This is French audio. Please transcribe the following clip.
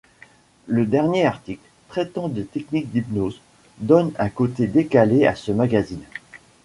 Le dernier article, traitant des techniques d'hypnose, donne un côté décalé à ce magazine.